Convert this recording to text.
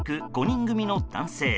５人組の男性。